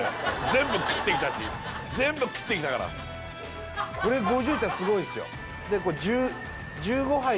全部食ってきたし全部食ってきたからこれ５０いったらすごいっすよ